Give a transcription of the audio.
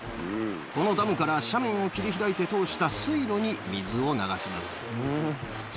このダムから斜面を切り開いて通した水路に水を流します。